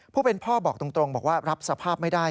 ผู้เป็นพ่อบอกตรงบอกว่ารับสภาพไม่ได้